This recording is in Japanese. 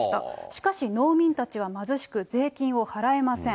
しかし農民たちは貧しく、税金を払えません。